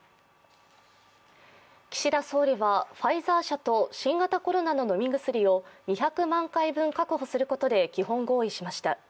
岸田総理はファイザー社と新型コロナの飲み薬を２００万回分確保することで基本合意しました。